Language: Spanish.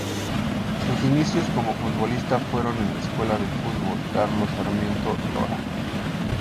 Sus inicios como futbolista fueron en la Escuela de Fútbol Carlos Sarmiento Lora.